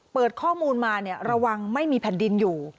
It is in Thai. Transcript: เปิดข้อมูลมาระวังไม่มีแผ่นดินอยู่